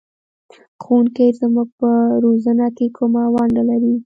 ښوونکی زموږ په روزنه کې کومه ونډه لري؟